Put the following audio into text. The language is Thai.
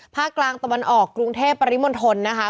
ภาคกลางตะวันออกกรุงเทพปริมณฑลนะคะ